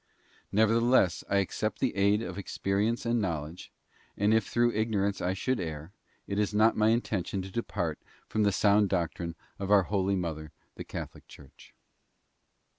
Nevertheless, I accept the aid of experience and knowledge, and if through ignorance I should err, it is not my intention to depart from the sound doctrine of our holy mother the Catholic Church.